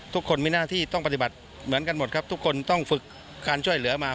ทุกคนมีหน้าที่ต้องปฏิบัติเหมือนกันหมดครับทุกคนต้องฝึกการช่วยเหลือมา